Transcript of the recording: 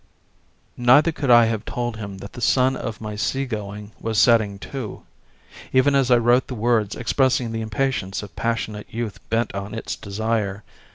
Neither could I have told him that the sun of my sea going was setting too, even as I wrote the words expressing the impatience of passionate youth bent on its desire.